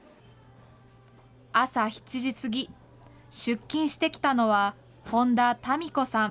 朝７時過ぎ、出勤してきたのは本田民子さん